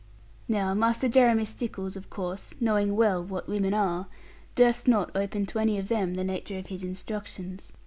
Now Master Jeremy Stickles, of course, knowing well what women are, durst not open to any of them the nature of his instructions.